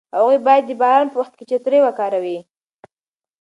هغوی باید د باران په وخت کې چترۍ وکاروي.